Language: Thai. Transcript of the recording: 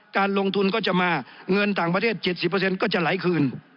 การลงทุนก็จะมาเงินต่างประเทศ๗๐เปอร์เซ็นต์ก็จะไหลคืน